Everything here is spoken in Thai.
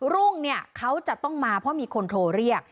รุ่งเนี่ยเขาจะต้องมาเพราะมีคนโทรเรียก